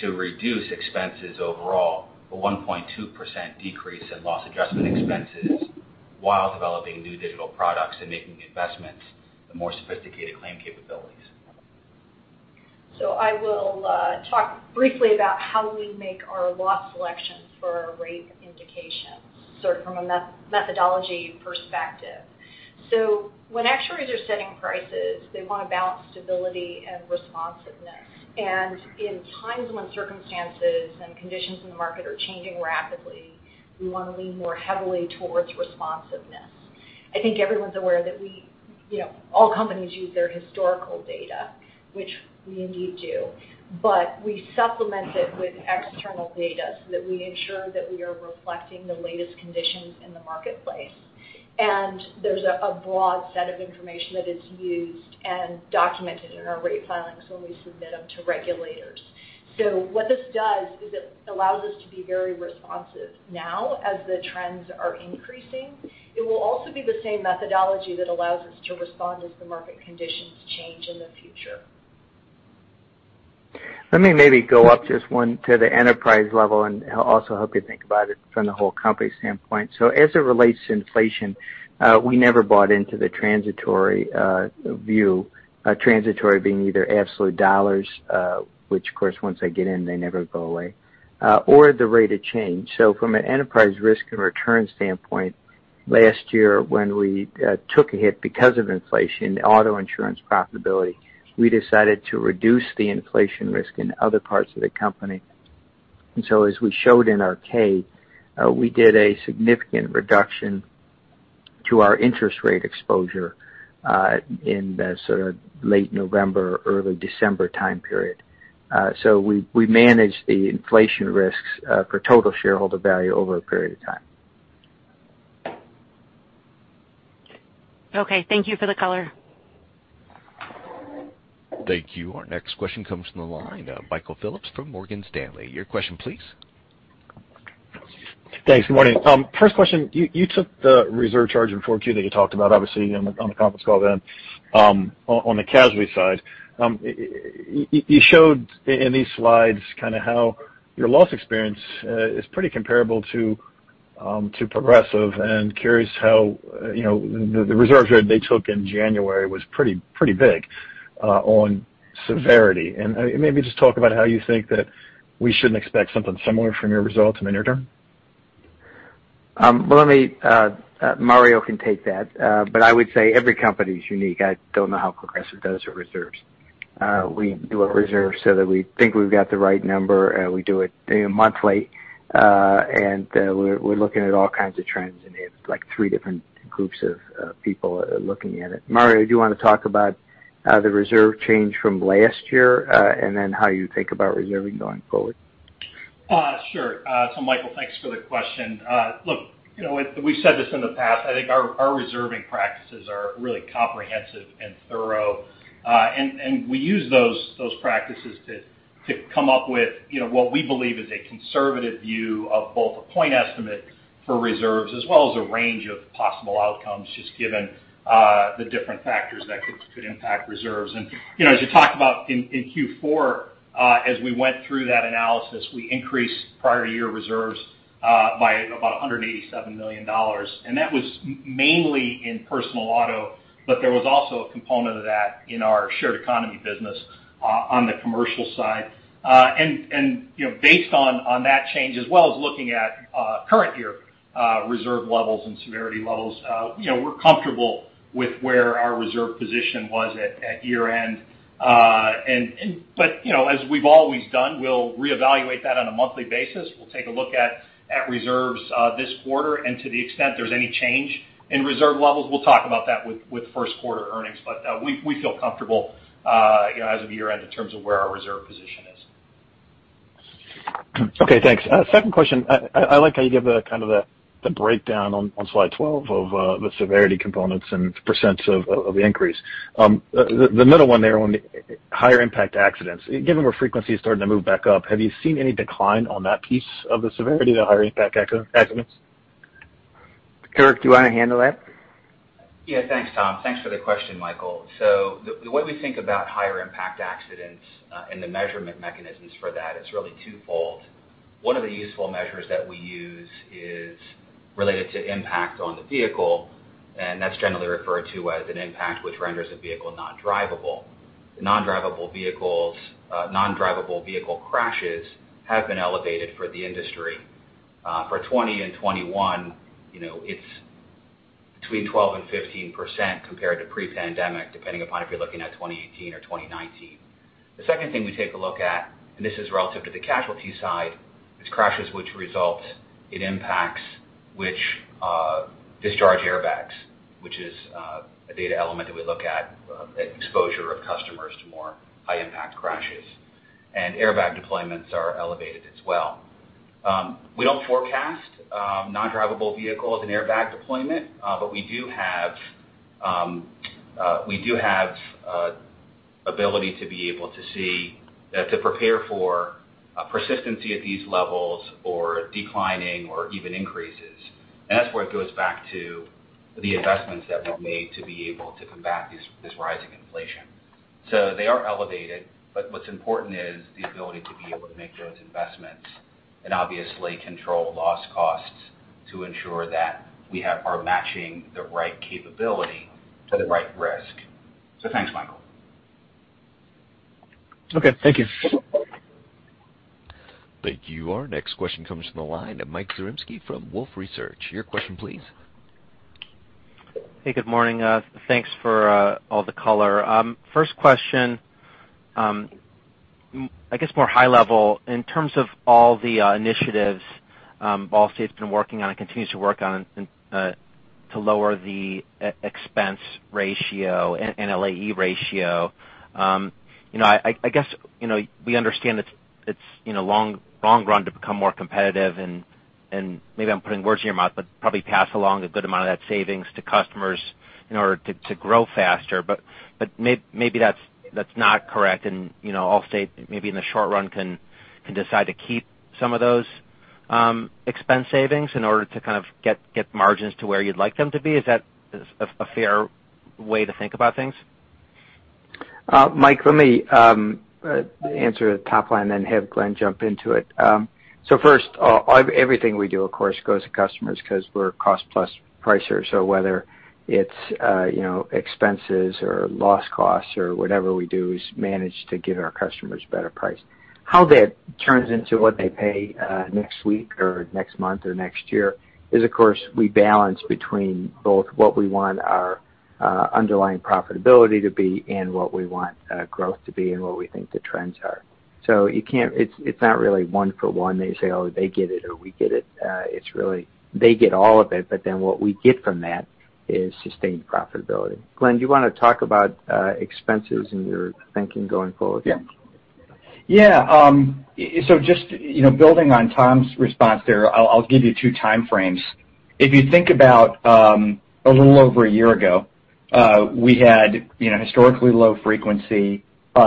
Speaker 6: to reduce expenses overall. A 1.2% decrease in loss adjustment expenses while developing new digital products and making investments, the more sophisticated claim capabilities.
Speaker 5: I will talk briefly about how we make our loss selections for our rate indications, sort of from a methodology perspective. When actuaries are setting prices, they want to balance stability and responsiveness. In times when circumstances and conditions in the market are changing rapidly, we want to lean more heavily towards responsiveness. I think everyone's aware that we all companies use their historical data, which we indeed do, but we supplement it with external data so that we ensure that we are reflecting the latest conditions in the marketplace. There's a broad set of information that is used and documented in our rate filings when we submit them to regulators. What this does is it allows us to be very responsive now as the trends are increasing. It will also be the same methodology that allows us to respond as the market conditions change in the future.
Speaker 3: Let me maybe go up just one to the enterprise level and also help you think about it from the whole company standpoint. As it relates to inflation, we never bought into the transitory view, transitory being either absolute dollars, which of course, once they get in, they never go away, or the rate of change. From an enterprise risk and return standpoint, last year, when we took a hit because of inflation, auto insurance profitability, we decided to reduce the inflation risk in other parts of the company. As we showed in our 10-K, we did a significant reduction to our interest rate exposure in the sort of late November, early December time period. We managed the inflation risks for total shareholder value over a period of time.
Speaker 9: Okay, thank you for the color.
Speaker 1: Thank you. Our next question comes from the line, Michael Phillips from Morgan Stanley. Your question, please.
Speaker 10: Thanks. Good morning. First question, you took the reserve charge in 4Q that you talked about, obviously on the conference call then, on the casualty side. You showed in these slides kind of how your loss experience is pretty comparable to Progressive. Curious how, you know, the reserves that they took in January was pretty big on severity. Maybe just talk about how you think that we shouldn't expect something similar from your results in the near term.
Speaker 3: Well, Mario can take that. I would say every company is unique. I don't know how Progressive does their reserves. We do our reserves so that we think we've got the right number, and we do it monthly, and we're looking at all kinds of trends, and it's like three different groups of people looking at it. Mario, do you want to talk about the reserve change from last year, and then how you think about reserving going forward?
Speaker 7: Sure. Michael, thanks for the question. Look, you know, we've said this in the past. I think our reserving practices are really comprehensive and thorough. We use those practices to come up with, you know, what we believe is a conservative view of both a point estimate for reserves as well as a range of possible outcomes, just given the different factors that could impact reserves. You know, as you talked about in Q4, as we went through that analysis, we increased prior year reserves by about $187 million, and that was mainly in personal auto. There was also a component of that in our shared economy business on the commercial side. You know, based on that change, as well as looking at current year reserve levels and severity levels, you know, we're comfortable with where our reserve position was at year-end. You know, as we've always done, we'll reevaluate that on a monthly basis. We'll take a look at reserves this quarter, and to the extent there's any change in reserve levels, we'll talk about that with first quarter earnings. We feel comfortable, you know, as of year-end in terms of where our reserve position is.
Speaker 10: Okay, thanks. Second question. I like how you give the kind of the breakdown on slide 12 of the severity components and percents of the increase. The middle one there on the higher impact accidents. Given where frequency is starting to move back up, have you seen any decline on that piece of the severity, the higher impact accidents?
Speaker 3: Kirk, do you want to handle that?
Speaker 6: Yeah. Thanks, Tom. Thanks for the question, Michael. The way we think about higher impact accidents and the measurement mechanisms for that is really twofold. One of the useful measures that we use is related to impact on the vehicle, and that's generally referred to as an impact which renders the vehicle non-drivable. Non-drivable vehicle crashes have been elevated for the industry for 2020 and 2021, you know, it's between 12% and 15% compared to pre-pandemic, depending upon if you're looking at 2018 or 2019. The second thing we take a look at, and this is relative to the casualty side, is crashes which result in impacts which discharge airbags, which is a data element that we look at, exposure of customers to more high impact crashes. Airbag deployments are elevated as well. We don't forecast non-drivable vehicles and airbag deployment, but we do have ability to be able to see that to prepare for a persistency at these levels or declining or even increases. That's where it goes back to the investments that we've made to be able to combat this rising inflation. They are elevated, but what's important is the ability to be able to make those investments. Obviously control loss costs to ensure that we are matching the right capability to the right risk. Thanks, Michael.
Speaker 10: Okay, thank you.
Speaker 1: Thank you. Our next question comes from the line of Michael Zaremski from Wolfe Research. Your question, please.
Speaker 11: Hey, good morning. Thanks for all the color. First question, I guess more high level. In terms of all the initiatives Allstate's been working on and continues to work on to lower the expense ratio and LAE ratio. You know, I guess, you know, we understand it's a long run to become more competitive and maybe I'm putting words in your mouth, but probably pass along a good amount of that savings to customers in order to grow faster. Maybe that's not correct. You know, Allstate maybe in the short run can decide to keep some of those expense savings in order to kind of get margins to where you'd like them to be. Is that a fair way to think about things?
Speaker 3: Mike, let me answer the top line, then have Glenn jump into it. First, everything we do, of course, goes to customers 'cause we're cost plus pricer. Whether it's you know, expenses or loss costs or whatever we do is manage to give our customers better price. How that turns into what they pay next week or next month or next year is, of course, we balance between both what we want our underlying profitability to be and what we want growth to be and what we think the trends are. It's not really one for one that you say, oh, they get it or we get it. It's really they get all of it, but then what we get from that is sustained profitability. Glenn, do you wanna talk about expenses and your thinking going forward?
Speaker 4: Yeah. Yeah. Just, you know, building on Tom's response there, I'll give you two time frames. If you think about a little over a year ago, we had, you know, historically low frequency.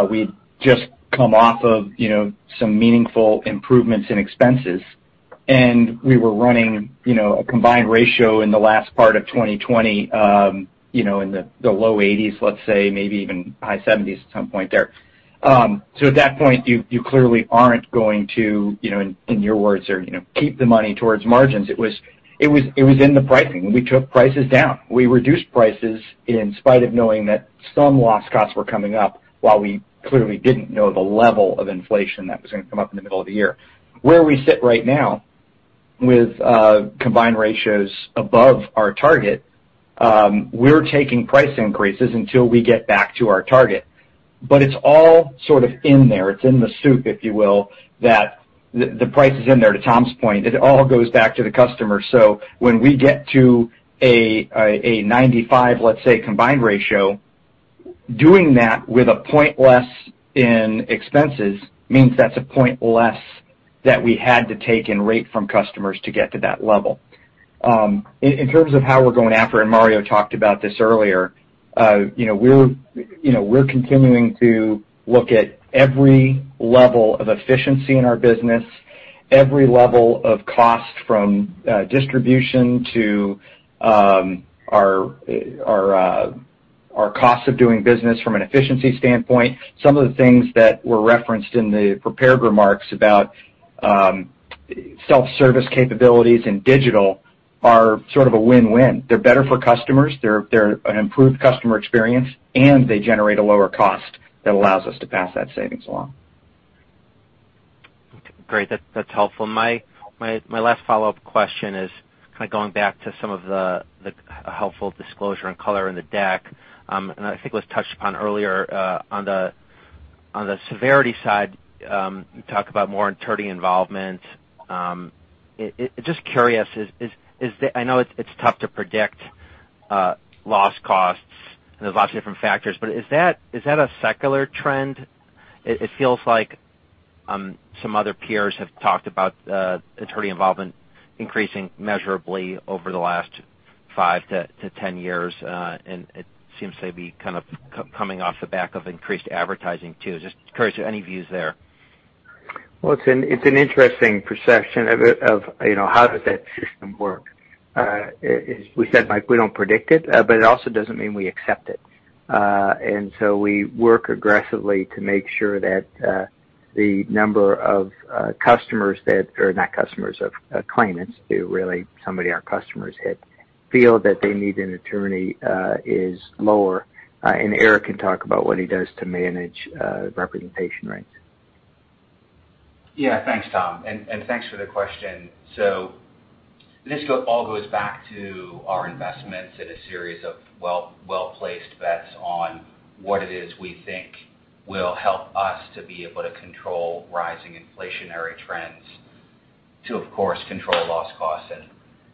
Speaker 4: We'd just come off of, you know, some meaningful improvements in expenses, and we were running, you know, a combined ratio in the last part of 2020, you know, in the low 80s, let's say, maybe even high 70s at some point there. At that point, you clearly aren't going to, you know, in your words or, you know, keep the money towards margins. It was in the pricing. We took prices down. We reduced prices in spite of knowing that some loss costs were coming up while we clearly didn't know the level of inflation that was gonna come up in the middle of the year. Where we sit right now with combined ratios above our target, we're taking price increases until we get back to our target. It's all sort of in there, it's in the soup, if you will, that the price is in there, to Tom's point. It all goes back to the customer. When we get to a 95, let's say, combined ratio, doing that with a point less in expenses means that's a point less that we had to take in rate from customers to get to that level. In terms of how we're going after, and Mario talked about this earlier, you know, we're continuing to look at every level of efficiency in our business, every level of cost from distribution to our cost of doing business from an efficiency standpoint. Some of the things that were referenced in the prepared remarks about self-service capabilities and digital are sort of a win-win. They're better for customers, they're an improved customer experience, and they generate a lower cost that allows us to pass that savings along.
Speaker 11: Okay, great. That's helpful. My last follow-up question is kind of going back to some of the helpful disclosure and color in the deck, and I think it was touched upon earlier, on the severity side, you talked about more attorney involvement. Just curious, is that a secular trend? I know it's tough to predict loss costs, and there's lots of different factors, but is that a secular trend. It feels like some other peers have talked about attorney involvement increasing measurably over the last five to 10 years. It seems to be kind of coming off the back of increased advertising too. Just curious if any views there.
Speaker 3: Well, it's an interesting perception of, you know, how does that system work? As we said, Mike, we don't predict it, but it also doesn't mean we accept it. We work aggressively to make sure that the number of customers or not customers of claimants who really somebody our customers had feel that they need an attorney is lower. Eric can talk about what he does to manage representation rates.
Speaker 6: Yeah. Thanks, Tom, and thanks for the question. This all goes back to our investments in a series of well-placed bets on what it is we think will help us to be able to control rising inflationary trends to, of course, control loss costs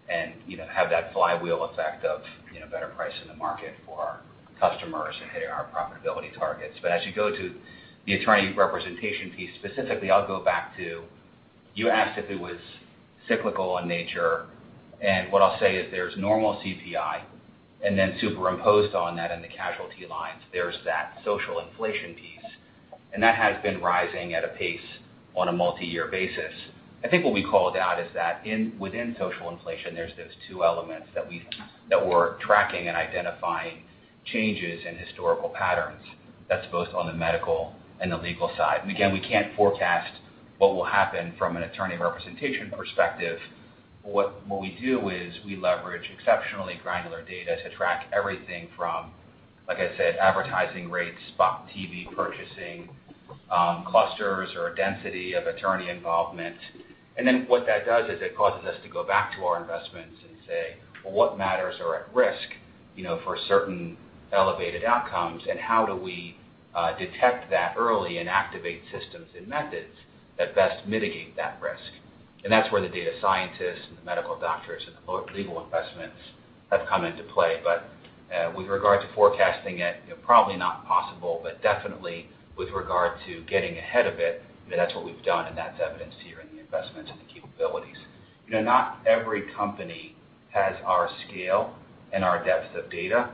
Speaker 6: and you know, have that flywheel effect of you know, better price in the market for our customers and hitting our profitability targets. As you go to the attorney representation piece specifically, I'll go back to you asked if it was cyclical in nature, and what I'll say is there's normal CPI and then superimposed on that in the casualty lines, there's that social inflation piece. That has been rising at a pace on a multi-year basis. I think what we called out is that within social inflation, there's those two elements that we're tracking and identifying changes in historical patterns that's both on the medical and the legal side. Again, we can't forecast what will happen from an attorney representation perspective. What we do is we leverage exceptionally granular data to track everything from, like I said, advertising rates, spot TV purchasing, clusters or density of attorney involvement. Then what that does is it causes us to go back to our investments and say, "Well, what matters are at risk, you know, for certain elevated outcomes, and how do we detect that early and activate systems and methods that best mitigate that risk?" That's where the data scientists and the medical doctors and the legal investments have come into play. With regard to forecasting it, you know, probably not possible, but definitely with regard to getting ahead of it, I mean, that's what we've done, and that's evidenced here in the investments and the capabilities. You know, not every company has our scale and our depths of data.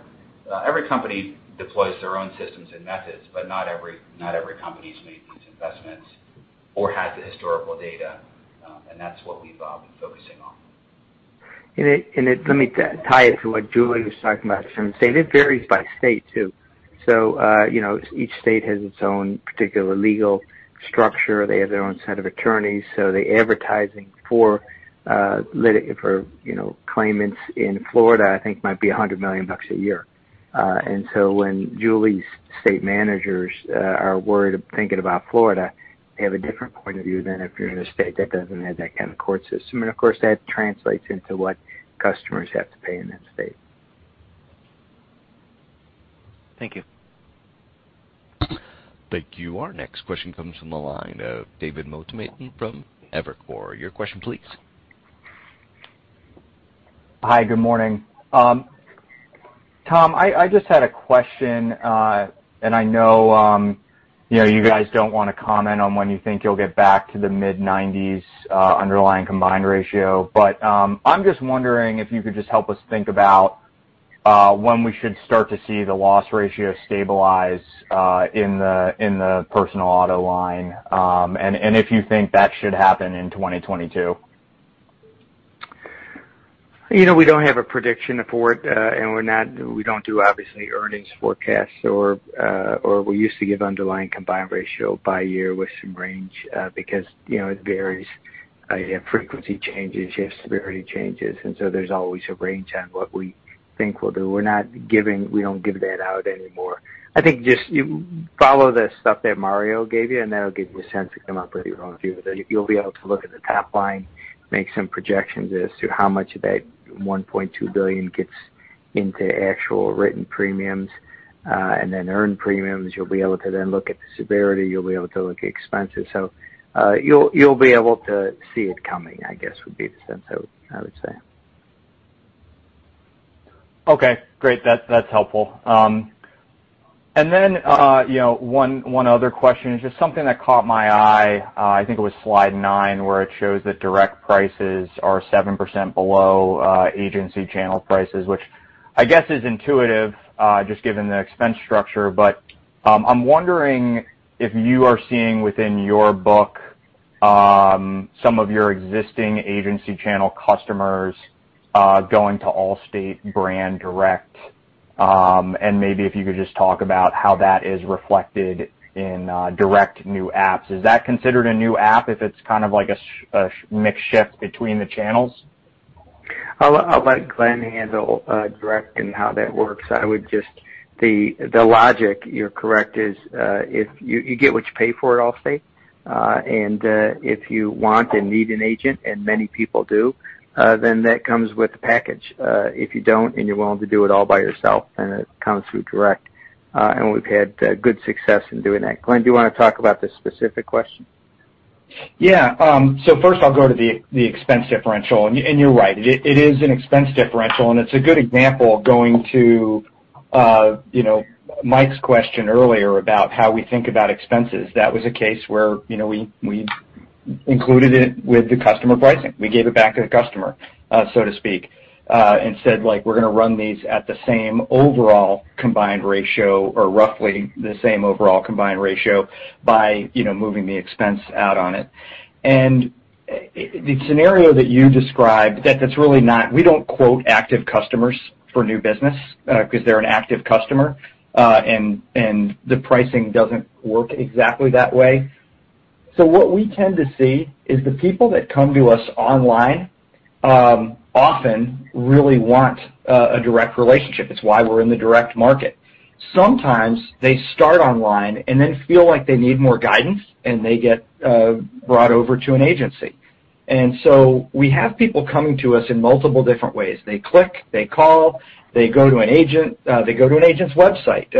Speaker 6: Every company deploys their own systems and methods, but not every company's made these investments or has the historical data. That's what we've been focusing on.
Speaker 3: Let me tie it to what Julie was talking about. It varies by state, too. You know, each state has its own particular legal structure. They have their own set of attorneys. The advertising for, you know, claimants in Florida, I think, might be $100 million a year. When Julie's state managers are worried of thinking about Florida, they have a different point of view than if you're in a state that doesn't have that kind of court system. Of course, that translates into what customers have to pay in that state.
Speaker 11: Thank you.
Speaker 1: Thank you. Our next question comes from the line of David Motemaden from Evercore. Your question please.
Speaker 12: Hi, good morning. Tom, I just had a question, and I know, you know, you guys don't wanna comment on when you think you'll get back to the mid-90s underlying combined ratio, but I'm just wondering if you could just help us think about when we should start to see the loss ratio stabilize in the personal auto line, and if you think that should happen in 2022.
Speaker 3: You know, we don't have a prediction for it, and we're not—we don't do, obviously, earnings forecasts or we used to give underlying combined ratio by year with some range, because, you know, it varies. You have frequency changes, you have severity changes, and so there's always a range on what we think we'll do. We don't give that out anymore. I think just you follow the stuff that Mario gave you, and that'll give you a sense to come up with your own view. You'll be able to look at the top line, make some projections as to how much of that $1.2 billion gets into actual written premiums, and then earned premiums. You'll be able to then look at the severity. You'll be able to look at expenses. You'll be able to see it coming, I guess, would be the sense I would say.
Speaker 12: Okay, great. That's helpful. You know, one other question. Just something that caught my eye, I think it was slide 9, where it shows that direct prices are 7% below agency channel prices, which I guess is intuitive, just given the expense structure. I'm wondering if you are seeing within your book some of your existing agency channel customers going to Allstate brand direct. Maybe if you could just talk about how that is reflected in direct new apps. Is that considered a new app if it's kind of like a mix shift between the channels?
Speaker 3: I'll let Glenn handle direct and how that works. The logic, you're correct, is if you get what you pay for at Allstate. If you want and need an agent, and many people do, then that comes with the package. If you don't, and you're willing to do it all by yourself, then it comes through direct. We've had good success in doing that. Glenn, do you wanna talk about this specific question?
Speaker 4: Yeah. So first I'll go to the expense differential. You're right. It is an expense differential, and it's a good example of going back to you know Mike's question earlier about how we think about expenses. That was a case where you know we included it with the customer pricing. We gave it back to the customer so to speak and said like we're gonna run these at the same overall combined ratio or roughly the same overall combined ratio by you know moving the expense out on it. The scenario that you described that's really not. We don't quote active customers for new business 'cause they're an active customer and the pricing doesn't work exactly that way. What we tend to see is the people that come to us online often really want a direct relationship. It's why we're in the direct market. Sometimes they start online and then feel like they need more guidance, and they get brought over to an agency. We have people coming to us in multiple different ways. They click, they call, they go to an agent, they go to an agent's website,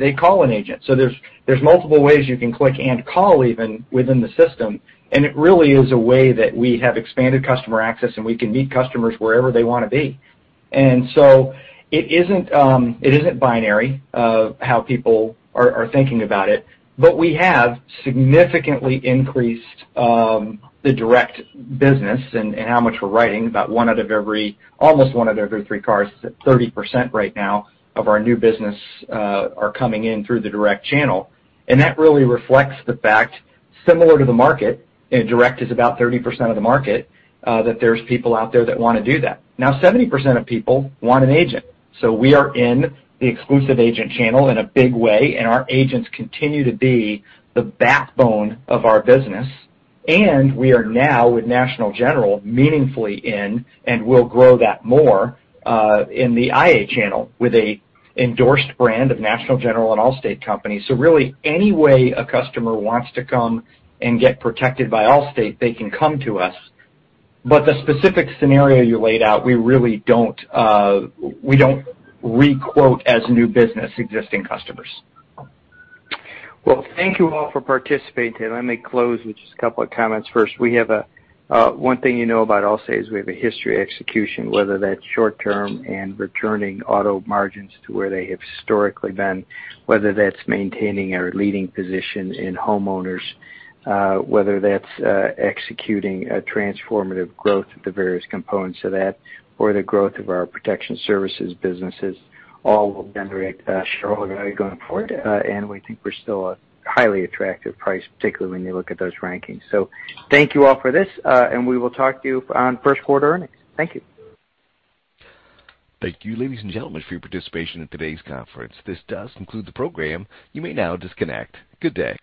Speaker 4: they call an agent. There's multiple ways you can click and call even within the system, and it really is a way that we have expanded customer access, and we can meet customers wherever they wanna be. It isn't binary of how people are thinking about it, but we have significantly increased the direct business and how much we're writing. Almost one out of every three cars is at 30% right now of our new business are coming in through the direct channel. That really reflects the fact, similar to the market, and direct is about 30% of the market, that there's people out there that wanna do that. Now, 70% of people want an agent. We are in the exclusive agent channel in a big way, and our agents continue to be the backbone of our business. We are now, with National General, meaningfully in, and we'll grow that more, in the IA channel with an endorsed brand of National General and Allstate companies. Really, any way a customer wants to come and get protected by Allstate, they can come to us. The specific scenario you laid out, we really don't re-quote as new business existing customers.
Speaker 3: Well, thank you all for participating. Let me close with just a couple of comments. First, we have one thing you know about Allstate is we have a history of execution, whether that's short term and returning auto margins to where they have historically been, whether that's maintaining our leading position in homeowners, whether that's executing a Transformative Growth of the various components of that or the growth of our protection services businesses, all will generate shareholder value going forward. We think we're still a highly attractive price, particularly when you look at those rankings. Thank you all for this, and we will talk to you on first quarter earnings. Thank you.
Speaker 1: Thank you, ladies and gentlemen, for your participation in today's conference. This does conclude the program. You may now disconnect. Good day.